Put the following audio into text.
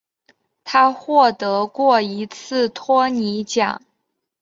他获得过一次托尼奖。